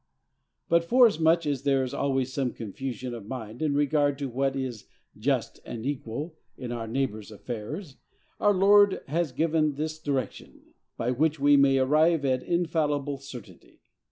But, forasmuch as there is always some confusion of mind in regard to what is just and equal in our neighbor's affairs, our Lord has given this direction, by which we may arrive at infallible certainty.